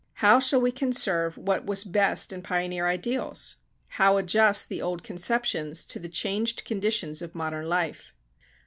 How shall we conserve what was best in pioneer ideals? How adjust the old conceptions to the changed conditions of modern life?